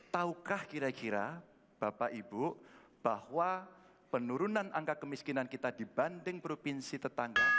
tahukah kira kira bapak ibu bahwa penurunan angka kemiskinan kita dibanding provinsi tetangga